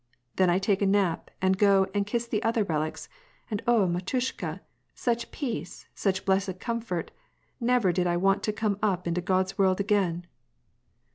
Then I take a nap and go and kiss the other relics, and oh mdiushka, such peace, such blessed comfort — never did I want to come up into God's world again